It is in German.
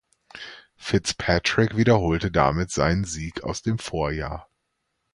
Fitzpatrick wiederholte damit seinen Sieg aus dem Vorjahr.